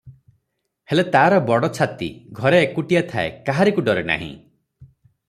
ହେଲେ ତାର ବଡ଼ ଛାତି, ଘରେ ଏକୁଟିଆ ଥାଏ, କାହାରିକୁ ଡରେ ନାହିଁ ।